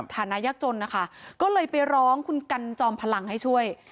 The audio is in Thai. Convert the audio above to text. ฐานะยากจนนะคะก็เลยไปร้องคุณกันจอมพลังให้ช่วย